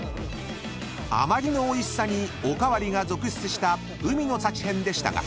［あまりのおいしさにおかわりが続出した海の幸編でしたが］